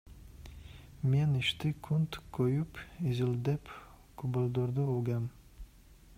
Мен ишти кунт коюп изилдеп, күбөлөрдү угам.